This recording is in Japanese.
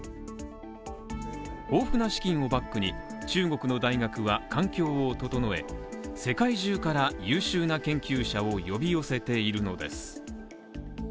豊富な資金をバックに中国の大学は、環境を整え、世界中から優秀な研究者を呼び寄せているのです。